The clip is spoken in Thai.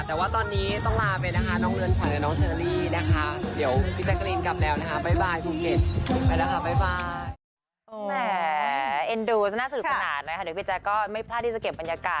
แต่ว่าตอนนี้เราต้องลาไปนะคะ